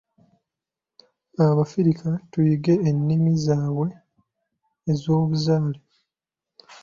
Abafirika tuyige ennimi zaabwe ez'obuzaale.